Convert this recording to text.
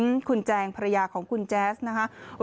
คุณแจงภรรยาของคุณแจ๊สนะคะ